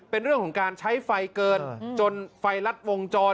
เป็นเรื่องของการใช้ไฟเกินจนไฟลัดวงจร